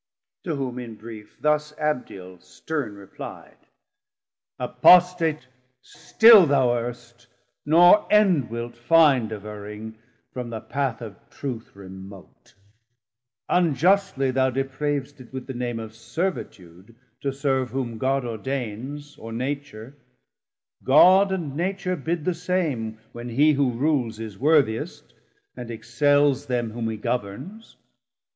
170 To whom in brief thus Abdiel stern repli'd. Apostat, still thou errst, nor end wilt find Of erring, from the path of truth remote: Unjustly thou deprav'st it with the name Of Servitude to serve whom God ordains, Or Nature; God and Nature bid the same, When he who rules is worthiest, and excells Them whom he governs.